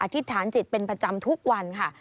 ธิษฐานจิตเป็นประจำทุกวันค่ะ